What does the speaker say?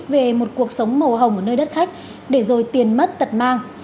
về một cuộc sống màu hồng ở nơi đất khách để rồi tiền mất tật mang